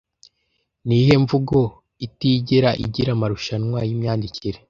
Niyihe mvugo itigera igira amarushanwa yimyandikire